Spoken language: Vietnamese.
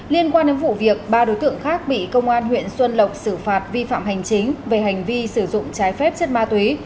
liên quan đến vụ việc ba đối tượng khác bị công an huyện xuân lộc xử phạt vi phạm hành chính về hành vi sử dụng trái phép chất ma túy